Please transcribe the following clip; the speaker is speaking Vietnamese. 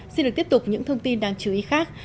xin được tiếp tục những thông tin đáng chú ý khác